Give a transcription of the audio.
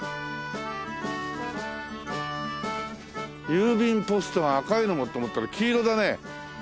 郵便ポストが赤いのと思ったら黄色だね。